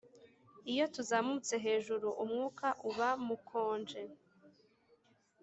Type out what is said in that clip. iyo tuzamutse hejuru, umwuka uba mukonje.